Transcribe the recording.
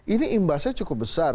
ini imbasnya cukup besar